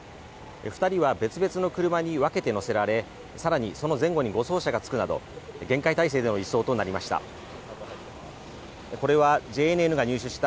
２人は別々の車に分けて乗せられ更にその前後に護送車がつくなど厳戒態勢の移送となりました。